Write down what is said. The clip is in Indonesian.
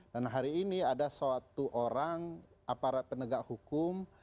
dan hari ini ada suatu orang aparat penegak hukum